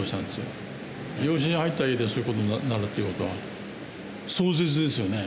養子に入った家でそういうことになるということは壮絶ですよね。